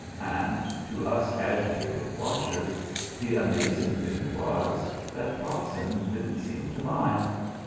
And to us agitated watchers the amazing thing was, that Pogson didn't seem to mind.